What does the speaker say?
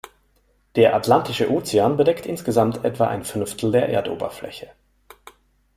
Der Atlantische Ozean bedeckt insgesamt etwa ein Fünftel der Erdoberfläche.